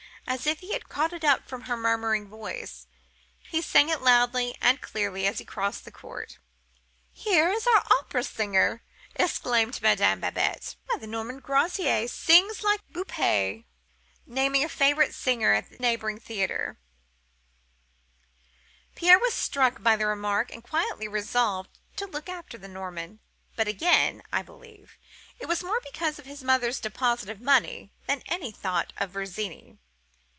As if he had caught it up from her murmuring voice, he sang it loudly and clearly as he crossed the court. "'Here is our opera singer!' exclaimed Madame Babette. 'Why, the Norman grazier sings like Boupre,' naming a favourite singer at the neighbouring theatre. "Pierre was struck by the remark, and quietly resolved to look after the Norman; but again, I believe, it was more because of his mother's deposit of money than with any thought of Virginie.